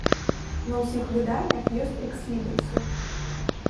На ўсіх выданнях ёсць экслібрысы.